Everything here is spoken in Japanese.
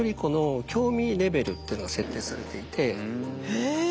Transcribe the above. へえ！